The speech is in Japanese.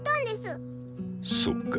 そっか。